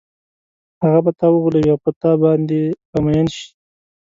هغه به تا وغولوي او پر تا باندې به مئین شي.